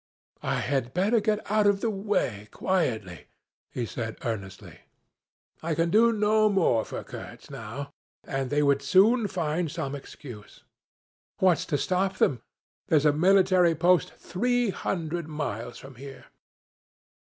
'I had better get out of the way quietly,' he said, earnestly. 'I can do no more for Kurtz now, and they would soon find some excuse. What's to stop them? There's a military post three hundred miles from here.'